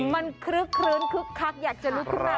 มันคลึ้นคลึ้กคลักอยากจะลุกขึ้นมา